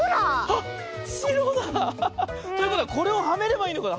あっしろだ！ということはこれをはめればいいのかな？